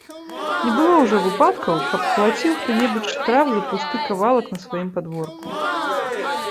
Не было ўжо выпадкаў, каб плаціў хто-небудзь штраф за пусты кавалак на сваім падворку.